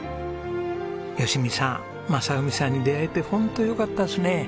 吉美さん正文さんに出会えて本当よかったですねえ。